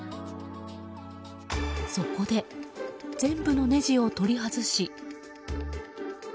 そこで、全部のねじを取り外し。